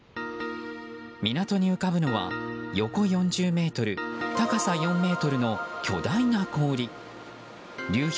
港に浮かぶのは横４０ｍ高さ４ｍの巨大な氷。